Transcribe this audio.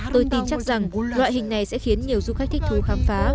tôi tin chắc rằng loại hình này sẽ khiến nhiều du khách thích thú khám phá